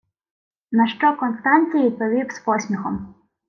На що Констанцій відповів із посміхом: